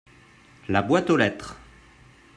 La boîte aux lettres.